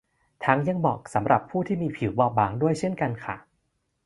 ทั้งยังเหมาะสำหรับผู้ที่มีผิวบอบบางด้วยเช่นกันค่ะ